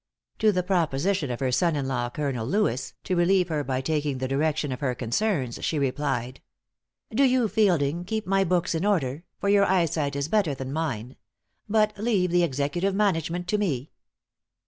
To the proposition of her son in law, Colonel Lewis, to relieve her by taking the direction of her concerns, she replied: "Do you, Fielding, keep my books in order; for your eyesight is better than mine: but leave the executive management to me."